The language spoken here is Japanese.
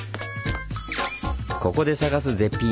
ここで探す「絶品」